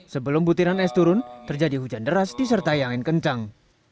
sebelum butiran es turun terjadi hujan deras diserta yang ingin kencang